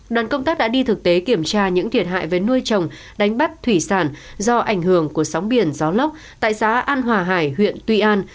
đoàn công tác đã đi thực tế kiểm tra những thiệt hại về nuôi trồng đánh bắt thủy sản do ảnh hưởng của sóng biển gió lốc tại xã an hòa hải huyện tuy an